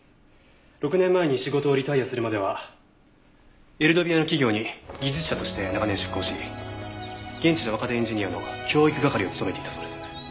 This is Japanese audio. ６年前に仕事をリタイアするまではエルドビアの企業に技術者として長年出向し現地の若手エンジニアの教育係を務めていたそうです。